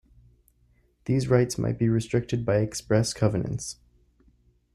These rights might be restricted by express covenants.